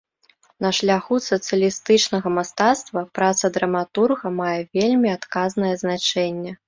На шляху сацыялістычнага мастацтва праца драматурга мае вельмі адказнае значэнне.